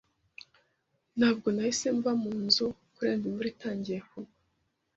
Ntabwo nahise mva munzu kurenza imvura itangiye kugwa. (goodguydave)